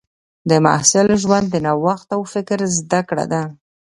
د محصل ژوند د نوښت او فکر زده کړه ده.